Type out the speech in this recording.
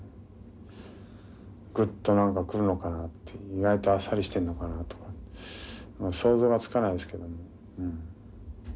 グッと何か来るのかなって意外とあっさりしているのかなとか想像がつかないですけども。